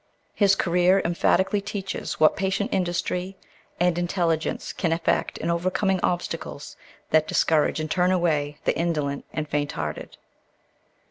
His career emphatically teaches what patient industry and intelligence can effect in overcoming obstacles that discourage and turn away the indolent and faint hearted.